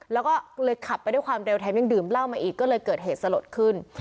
แล้วก็เลยขับไปด้วยความเร็วแถมยังดื่มเหล้ามาอีกก็เลยเกิดเหตุสลดขึ้น